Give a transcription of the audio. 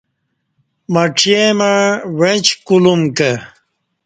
مڄیں مع وݩعچ کولوم کہ